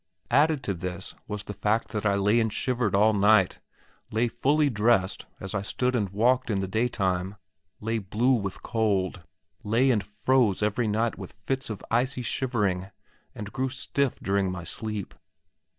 Added to this was the fact that I lay and shivered all night, lay fully dressed as I stood and walked in the daytime, lay blue with cold, lay and froze every night with fits of icy shivering, and grew stiff during my sleep.